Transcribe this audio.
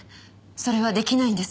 それは出来ないんです。